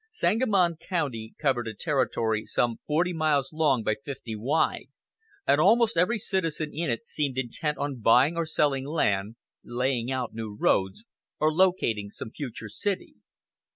Sangamon County covered a territory some forty miles long by fifty wide, and almost every citizen in it seemed intent on buying or selling land, laying out new roads, or locating some future city.